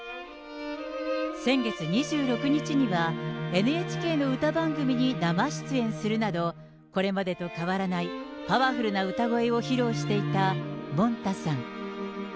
先月２６日には、ＮＨＫの歌番組に生出演するなど、これまでと変わらないパワフルな歌声を披露していたもんたさん。